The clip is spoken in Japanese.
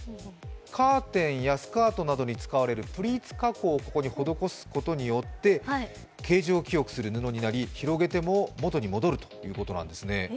カーテンやスカートなどに使われるプリーツ加工をここに施すことによって、形状記憶する布になり広げても元に戻るということなんですね。